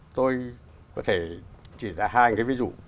tôi có thể chỉ ra hai cái ví dụ